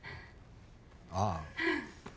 ああ。